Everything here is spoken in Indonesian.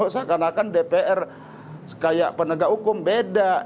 seakan akan dpr kayak penegak hukum beda